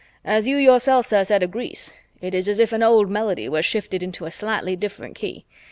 As you yourself, sir, said of Greece, it is as if an old melody were shifted into a slightly different key.